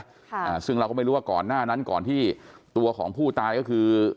อ่าซึ่งเราก็ไม่รู้ว่าก่อนหน้านั้นก่อนที่ตัวของผู้ตายก็คือ